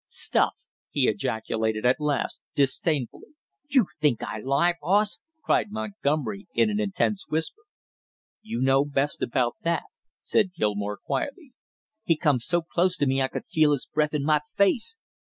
"Stuff!" he ejaculated at last, disdainfully. "You think I lie, boss?" cried Montgomery, in an intense whisper. "You know best about that," said Gilmore quietly. "He come so close to me I could feel his breath in my face!